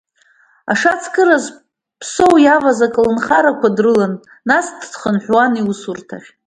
Ашацкыраз Ԥсоу иаваз аколнхарақәа дрылан, нас дхынҳәуан иусурҭахь.